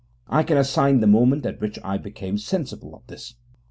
I can assign the moment at which I became sensible of this.